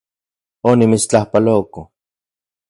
Onimitstlajpaloko